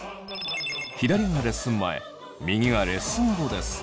左がレッスン前右がレッスン後です。